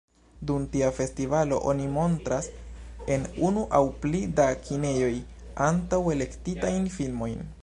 Dum tia festivalo, oni montras en unu aŭ pli da kinejoj antaŭ-elektitajn filmojn.